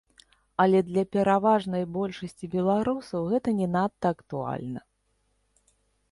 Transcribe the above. Але для пераважнай большасці беларусаў гэта не надта актуальна.